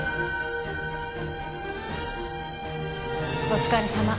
お疲れさま。